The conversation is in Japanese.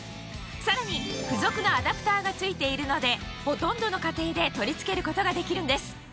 さらに付属のアダプターが付いているのでほとんどの家庭で取り付けることができるんです